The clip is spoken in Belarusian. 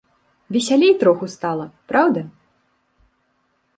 Весялей троху стала, праўда?